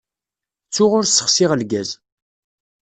Ttuɣ ur ssexsiɣ lgaz.